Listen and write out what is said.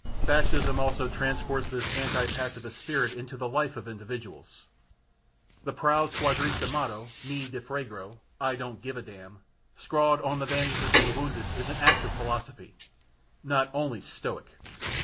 Fascism also transports this anti pacifist spirit into the life of individuals. The proud squadrista motto "me ne frego" ("I don't give a damn") scrawled on the bandages of the wounded is an act of philosophy not only stoic.